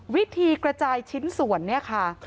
วิธีกระจายชิ้นส่วนเนี่ยค่ะ